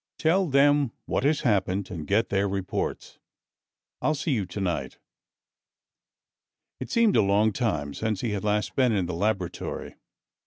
Tell them what has happened and get their reports. I'll see you tonight." It seemed a long time since he had last been in the laboratory.